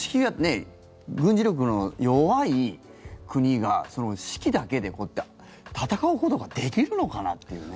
軍事力の弱い国が士気だけで戦うことができるのかなって。